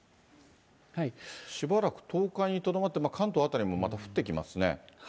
しばらく東海にとどまって、関東辺りもまた降ってきますね。